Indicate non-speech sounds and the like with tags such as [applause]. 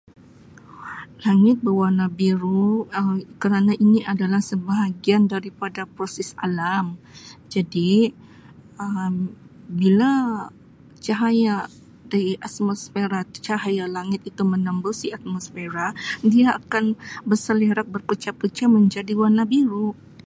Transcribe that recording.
[noise] Langit bewarna biru Um kerana ini adalah sebahagian daripada proses alam jadi Um bila cahaya atmosfera tu cahaya langit itu menembusi atmosfera dia akan berselerak berpecah-pecah menjadi warna biru.